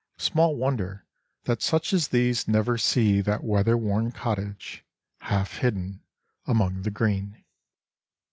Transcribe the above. Small wonder that such as these never see that weather worn cottage, half hidden among the green.